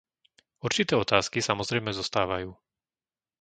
Určité otázky samozrejme zostávajú.